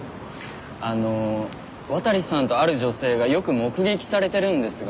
あの渡さんとある女性がよく目撃されてるんですが。